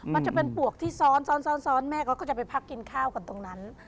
มันจะเป็นปวกที่ซ้อนซ้อนแม่เขาก็จะไปพักกินข้าวกันตรงนั้น